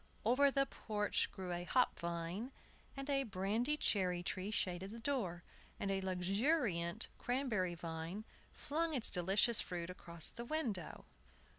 Over the porch grew a hop vine, and a brandy cherry tree shaded the door, and a luxuriant cranberry vine flung its delicious fruit across the window.